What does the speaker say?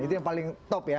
itu yang paling top ya